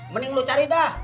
mending lu cari dah